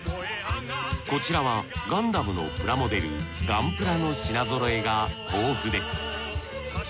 こちらはガンダムのプラモデルガンプラの品揃えが豊富です。